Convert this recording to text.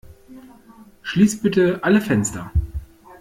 Schließ bitte alle Fenster!